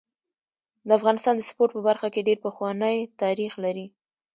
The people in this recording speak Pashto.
د افغانستان د سپورټ په برخه کي ډير پخوانی تاریخ لري.